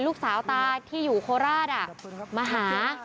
ลูกสาวตาที่อยู่โคราชมาหา